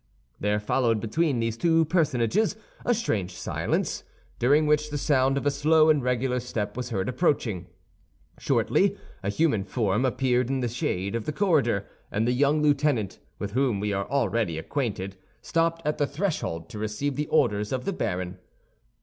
There followed between these two personages a strange silence, during which the sound of a slow and regular step was heard approaching. Shortly a human form appeared in the shade of the corridor, and the young lieutenant, with whom we are already acquainted, stopped at the threshold to receive the orders of the baron.